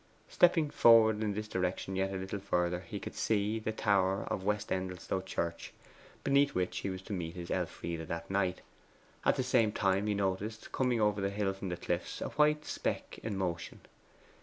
Stepping forward in this direction yet a little further, he could see the tower of West Endelstow Church, beneath which he was to meet his Elfride that night. And at the same time he noticed, coming over the hill from the cliffs, a white speck in motion.